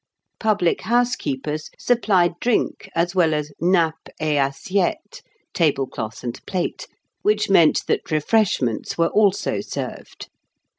Publichouse keepers supplied drink as well as nappe et assiette (tablecloth and plate), which meant that refreshments were also served.